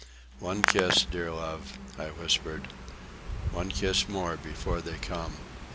"One kiss, dear love," I whispered. "One kiss more before they come."